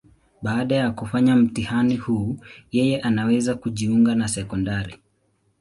Baada ya kufanya mtihani huu, yeye anaweza kujiunga na sekondari.